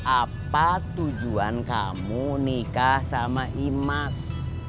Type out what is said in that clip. apa tujuan kamu nikah sama imas